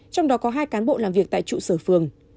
trong đó có hai cán bộ làm việc tại trụ sở phường